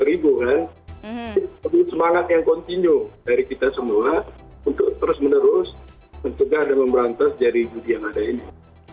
itu semangat yang kontinu dari kita semua untuk terus menerus mencegah dan memberantas jadi judi yang ada ini